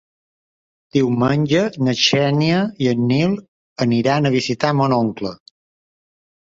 Diumenge na Xènia i en Nil aniran a visitar mon oncle.